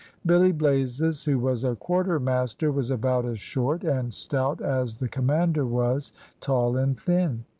Billy Blazes, who was a quartermaster, was about as short and stout as the commander was tall and thin.